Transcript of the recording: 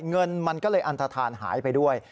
เงินมันก็เลยอันทธานหายไปด้วย